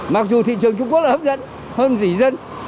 mặc dù thị trường trung quốc là hấp dẫn hơn gì dân